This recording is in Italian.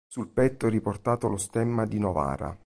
Sul petto è riportato lo stemma di Novara.